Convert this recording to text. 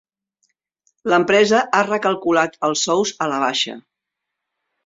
L'empresa ha recalculat els sous a la baixa.